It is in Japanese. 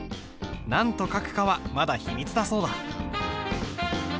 何と書くかはまだ秘密だそうだ。